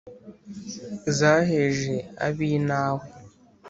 Zaheje ab' i Nawe